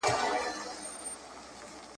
د ابليس د اولادونو شيطانانو